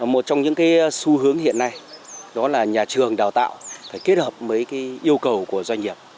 một trong những xu hướng hiện nay đó là nhà trường đào tạo phải kết hợp với yêu cầu của doanh nghiệp